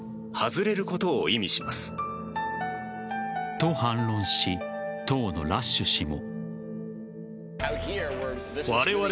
と、反論し当のラッシュ氏も。